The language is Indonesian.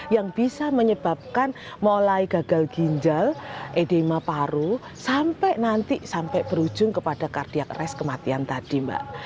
yang bisa menyebabkan mulai gagal ginjal edema paru sampai nanti sampai berujung kepada kardiak rash kematian tadi mbak